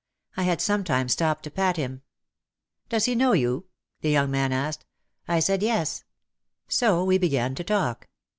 I had sometimes stopped to pat him. "Does he know you?" the young man asked. I said, "Yes." So we began to talk.